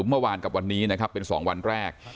เมื่อวานกับวันนี้เป็น๒วันแรก